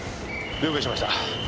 了解しました！